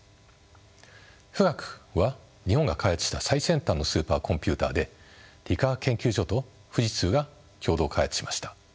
富岳は日本が開発した最先端のスーパーコンピュータで理化学研究所と富士通が共同開発しました。